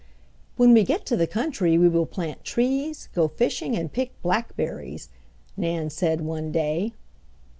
"When we get to the country we will plant trees, go fishing, and pick blackberries," Nan said one day.